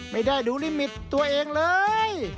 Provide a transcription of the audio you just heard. ไม่ได้ดูลิมิตตัวเองเลย